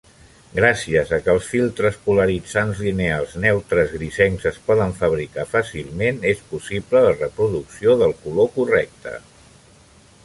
Gràcies a que els filtres polaritzants lineals neutres-grisencs es poden fabricar fàcilment, és possible la reproducció del color correcte.